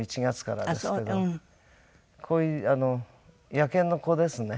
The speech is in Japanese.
野犬の子ですね。